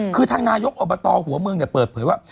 คือทางนายกอบตหัวเมืองเปิดเผยว่า